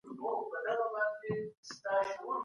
بهرنۍ تګلاره یوازې د حکومت کار نه ګڼل کيږي.